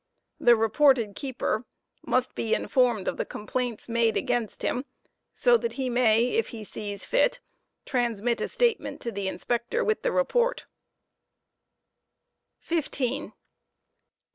The reported keeper part must be iuformed of the complaints made against him, so that he may, if he sees fit, transmit a statement to the Inspector with the report ^j^fflcau^ht 15.